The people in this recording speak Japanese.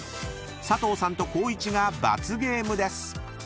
［佐藤さんと光一が罰ゲームです］